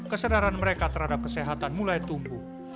kesadaran mereka terhadap kesehatan mulai tumbuh